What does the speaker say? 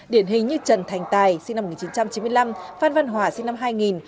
điển hình như trần thành tài sinh năm một nghìn chín trăm chín mươi năm phan văn hòa sinh năm hai nghìn